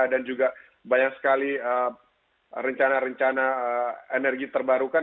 dan juga banyak sekali rencana rencana energi terbarukan